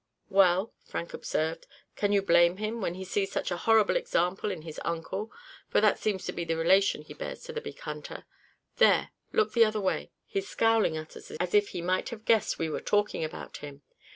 "Well," Frank observed, "can you blame him, when he sees such a horrible example in his uncle, for that seems to be the relation he bears to the big hunter. There, look the other way, he's scowling at us as if he might have guessed we were talking about him.